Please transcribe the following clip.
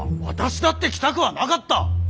私だって来たくはなかった！